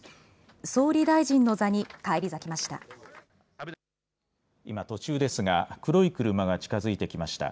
総理大臣の座に返り咲きました。